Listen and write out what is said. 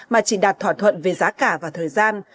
mà chỉ đạt thỏa thuận về giá cả và thời gian